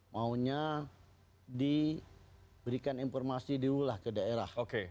maunya diberikan informasi diulah ke daerah